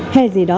hay gì đó